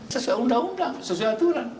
sesuai undang undang sesuai aturan